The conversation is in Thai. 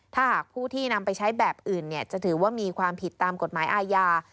ถ้าหากผู้ที่นำไปใช้แบบอื่นจะถือว่ามีความผิดตามกฎหมายอาญา